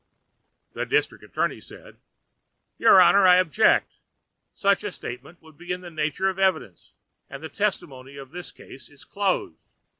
The district attorney said: "Your Honor, I object. Such a statement would be in the nature of evidence, and the testimony in this case is closed.